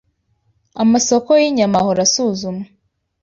Amasoko y’inyama ahora asuzumwa